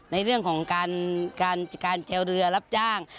ในเรื่องของการแลวเรือรับจ้าง